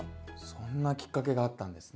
そんなきっかけがあったんですね！